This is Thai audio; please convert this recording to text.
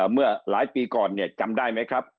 เมื่อหลายปีก่อนเนี่ยจำได้ไหมครับ